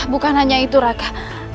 bukan hanya itu raka